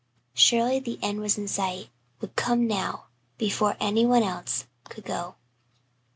Surely the end was in sight would come now before anyone else could go.